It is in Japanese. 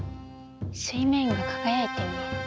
水面が輝いて見える。